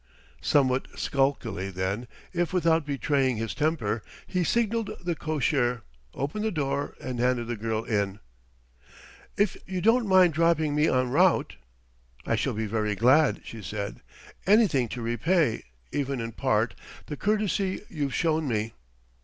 Somewhat sulkily, then, if without betraying his temper, he signalled the cocher, opened the door, and handed the girl in. "If you don't mind dropping me en route..." "I shall be very glad," she said ... "anything to repay, even in part, the courtesy you've shown me!"